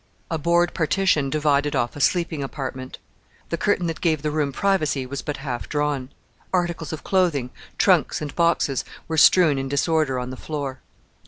A board partition divided off a sleeping apartment. The curtain that gave the room privacy was but half drawn. Articles of clothing, trunks, and boxes were strewn in disorder on the floor.